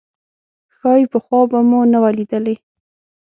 ښايي پخوا به مو نه وه لیدلې.